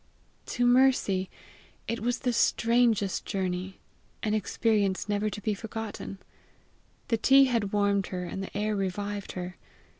To Mercy it was the strangest journey an experience never to be forgotten. The tea had warmed her, and the air revived her.